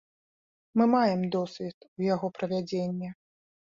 Мы маем досвед у яго правядзенні.